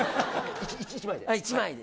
１枚で？